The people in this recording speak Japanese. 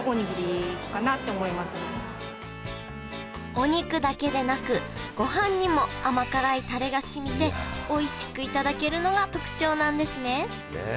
お肉だけでなくごはんにも甘辛いタレがしみておいしく頂けるのが特徴なんですねねえ